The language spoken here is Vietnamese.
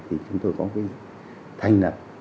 thì chúng tôi có cái thành lập